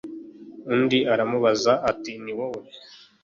undi aramubaza ati ni wowe